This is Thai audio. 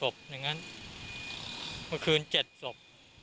เมื่อคืนเจ็ดศพ